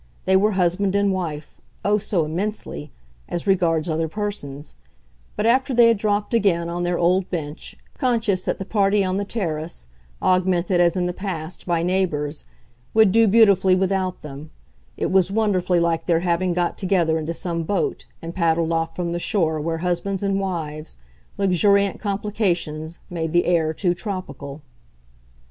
They were husband and wife oh, so immensely! as regards other persons; but after they had dropped again on their old bench, conscious that the party on the terrace, augmented, as in the past, by neighbours, would do beautifully without them, it was wonderfully like their having got together into some boat and paddled off from the shore where husbands and wives, luxuriant complications, made the air too tropical.